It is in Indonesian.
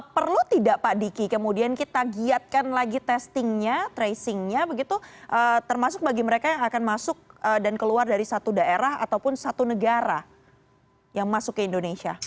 perlu tidak pak diki kemudian kita giatkan lagi testingnya tracingnya begitu termasuk bagi mereka yang akan masuk dan keluar dari satu daerah ataupun satu negara yang masuk ke indonesia